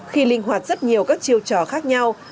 khi linh hoạt rất nhiều các chiêu trò khác nhau